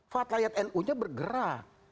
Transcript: fatlayat nu nya bergerak